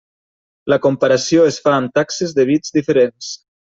La comparació es fa amb taxes de bits diferents.